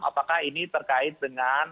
apakah ini terkait dengan